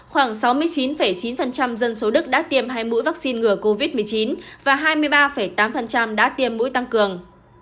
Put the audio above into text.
khoảng sáu mươi chín chín dân số đức đã tiêm hai mũi vaccine ngừa covid một mươi chín và hai mươi ba tám đã tiêm mũi tăng cường